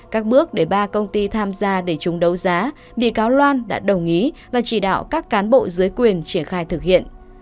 các bước để ba công ty tham gia để chúng đấu giá bị cáo loan đã đồng ý và chỉ đạo các cán bộ dưới quyền triển khai thực hiện